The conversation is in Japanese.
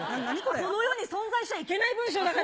この世に存在しちゃいけない文章だから。